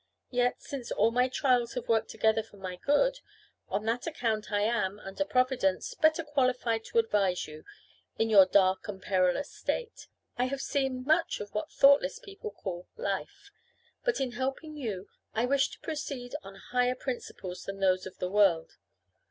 Yet, since all my trials have worked together for my good, on that account I am, under Providence, better qualified to advise you, in your dark and perilous state. I have seen much of what thoughtless people call 'life.' But in helping you, I wish to proceed on higher principles than those of the world.